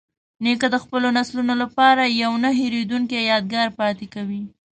نیکه د خپلو نسلونو لپاره یوه نه هیریدونکې یادګار پاتې کوي.